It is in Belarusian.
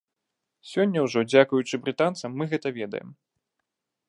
Сёння ўжо дзякуючы брытанцам мы гэта ведаем.